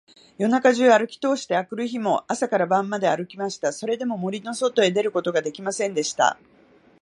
夜中じゅうあるきとおして、あくる日も朝から晩まであるきました。それでも、森のそとに出ることができませんでした。